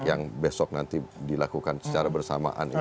yang besok nanti dilakukan secara bersamaan